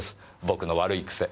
僕の悪い癖。